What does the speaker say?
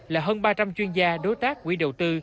là hơn ba trăm linh chuyên gia đối tác quỹ đầu tư